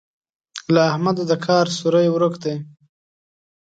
له احمده د کار سوری ورک دی.